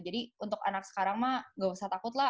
jadi untuk anak sekarang mak gak usah takut lah